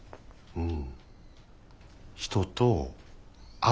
うん。